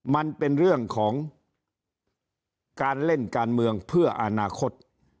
มันเป็นเรื่องของการเล่นการเมืองเพื่ออนาคต